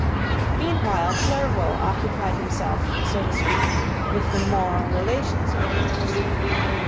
Meanwhile Clerval occupied himself, so to speak, with the moral relations of things.